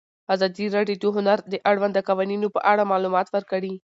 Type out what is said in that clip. ازادي راډیو د هنر د اړونده قوانینو په اړه معلومات ورکړي.